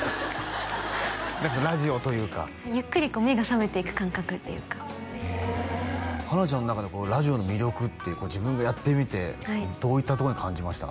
何ですかラジオというかゆっくりこう目が覚めていく感覚っていうかへえ花ちゃんの中のラジオの魅力って自分がやってみてどういったとこに感じました？